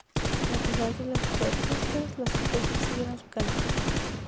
A pesar de las protestas, las apuestas siguieron su camino.